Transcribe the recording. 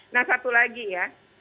nah satu lagi ya